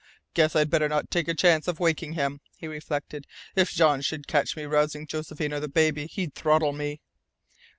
"Guess I'd better not take a chance of waking him," he reflected. "If Jean should catch me rousing Josephine or the baby he'd throttle me."